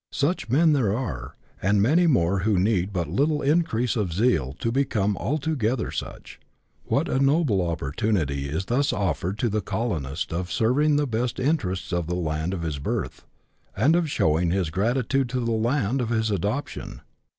Such men there are, and many more who need but a little increase of zeal to become altogether such. What a noble opportunity is thus offered to the colonist of serving the best interests of the land of his birth, and of showing his gratitude to the land of his adoption